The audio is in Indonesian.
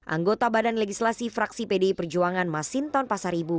anggota badan legislasi fraksi pdi perjuangan masinton pasar ibu